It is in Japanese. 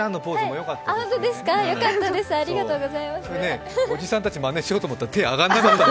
それね、おじさんたちまねしようと思ったら手が上がらなかったの。